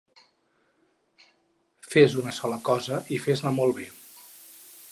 Fes una sola cosa i fes-la molt bé